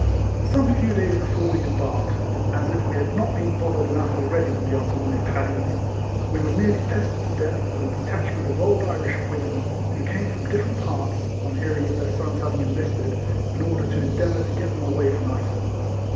Some few days before we embarked (as if we had not been bothered enough already with the unruly Paddies), we were nearly pestered to death with a detachment of old Irish women, who came from dif ferent parts (on hearing of their sons having enlisted), in order to endeavour to get them away from us.